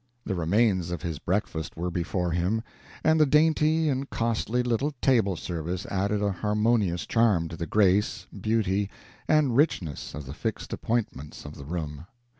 The remains of his breakfast were before him, and the dainty and costly little table service added a harmonious charm to the grace, beauty, and richness of the fixed appointments of the room.